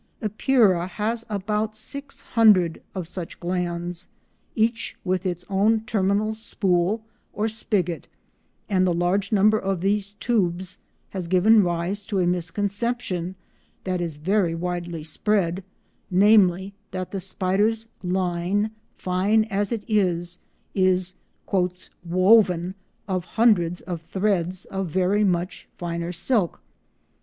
Epeira has about 600 of such glands, each with its own terminal spool or spigot, and the large number of these tubes has given rise to a misconception that is very widely spread—namely that the spider's line, fine as it is, is "woven" of hundreds of threads of very much finer silk.